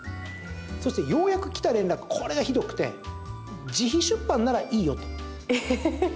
そして、ようやく来た連絡これがひどくて自費出版ならいいよと。